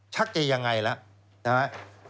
ชักจะยังไงละใช่ไหม